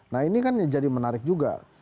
nah ini kan jadi menarik juga